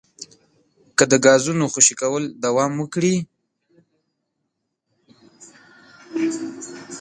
که د ګازونو خوشې کول دوام وکړي